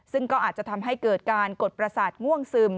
ซึ่งก็อาจจะทำให้เกิดการกดประสาทง่วงซึม